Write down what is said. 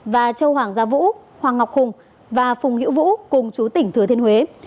và châu hoàng gia vũ hoàng ngọc hùng và phùng hữu vũ cùng chú tỉnh thừa thiên huế